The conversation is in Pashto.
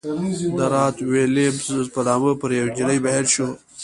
د رات ویلیمز په نامه پر یوې نجلۍ مین شو.